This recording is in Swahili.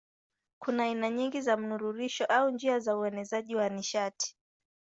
Kuna aina nyingi za mnururisho au njia za uenezaji wa nishati.